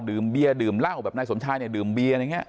ดื่มเบียร์ดื่มเหล้าแบบนายสมชายดื่มเบียร์อย่างนี้